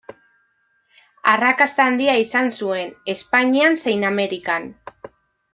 Arrakasta handia izan zuen, Espainian zein Amerikan.